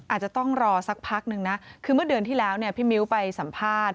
อาจจะต้องรอสักพักนึงนะคือเมื่อเดือนที่แล้วเนี่ยพี่มิ้วไปสัมภาษณ์